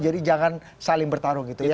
jadi jangan saling bertarung gitu ya